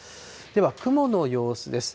では、雲の様子です。